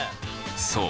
そう。